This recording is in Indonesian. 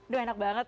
duh enak banget